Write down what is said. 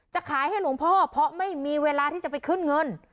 จะขายให้หลวงพ่อเพราะไม่มีเวลาที่จะไปขึ้นเงิน